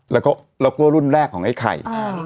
แล้วก็รุ่นแรกของไอ้ไข่